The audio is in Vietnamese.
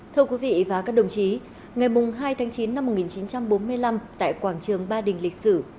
thưa quý vị và các đồng chí ngày hai tháng chín năm một nghìn chín trăm bốn mươi năm tại quảng trường ba đình lịch sử